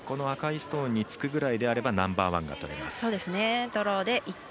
赤いストーンにつくぐらいであればナンバーワンがとれます。